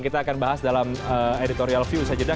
kita akan bahas dalam editorial view usai jeda